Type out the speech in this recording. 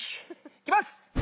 いきます！